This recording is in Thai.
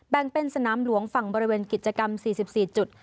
แบ่งเป็นสนามหลวงฝั่งบริเวณกิจกรรม๔๔จุด